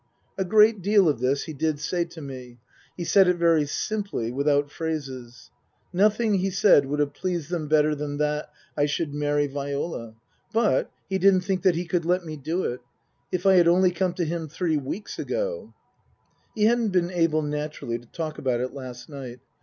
A great deal of this he did say to me. He said it very simply, without phrases. Nothing, he said, would have pleased them better than that, I should marry Viola. But he didn't think that he could let me do it. If I had only come to him three weeks ago He hadn't been able naturally to talk about it last night.